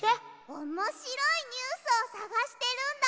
おもしろいニュースをさがしてるんだ！